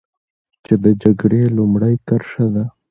چې د جګړې لومړۍ کرښه ده.